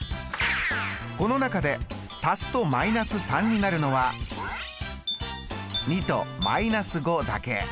この中で足すと−３になるのは２と−５だけ。